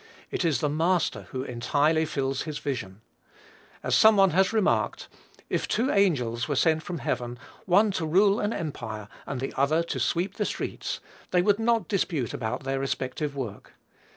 It is the Master who entirely fills his vision. As some one has remarked, "if two angels were sent from heaven, one to rule an empire, and the other to sweep the streets, they would not dispute about their respective work."